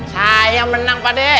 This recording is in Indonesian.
saya menang pade